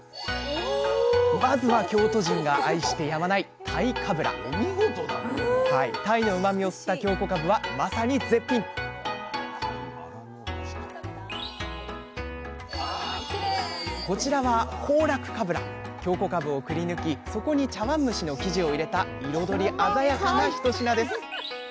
まずは京都人が愛してやまない鯛のうまみを吸った京こかぶはまさに絶品こちらは京こかぶをくりぬきそこに茶わん蒸しの生地を入れた彩り鮮やかな一品です。